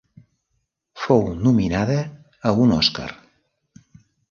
Fou nominada a un Òscar.